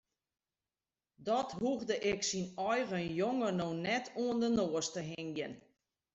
Dat hoegde ik syn eigen jonge no net oan de noas te hingjen.